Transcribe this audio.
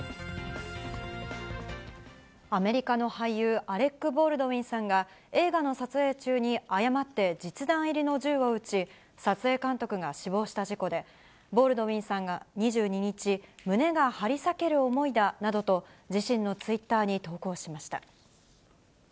アメリカの俳優、アレック・ボールドウィンさんが、映画の撮影中に誤って実弾入りの銃を撃ち、撮影監督が死亡した事故で、ボールドウィンさんが２２日、胸が張り裂ける思いだなどと、自身のツイッターに投稿しました。